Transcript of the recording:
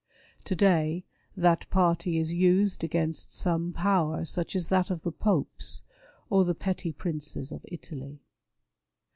To day, that party is used against some power such as that of the Popes, or the petty princes of Italy.